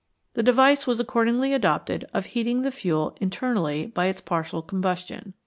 The device was accordingly adopted of heating the fuel inter nally by its partial combustion.